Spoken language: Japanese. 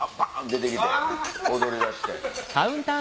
出て踊りだして。